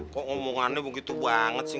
kok ngomongannya begitu banget sih